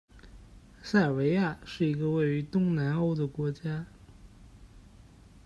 塞尔维亚是一个位于东南欧的国家。